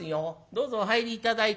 どうぞお入り頂い。